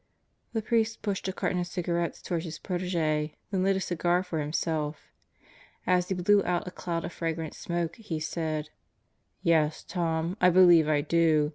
..." The priest pushed a carton of cigarettes toward his protege, then lit a cigar for himself. As he blew out a cloud of fragrant smoke he said, "Yes, Tom, I believe I do.